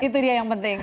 itu dia yang penting